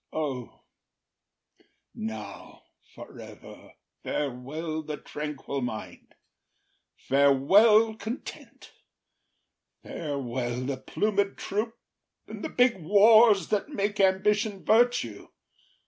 O, now, for ever Farewell the tranquil mind! Farewell content! Farewell the plumed troops and the big wars That make ambition virtue!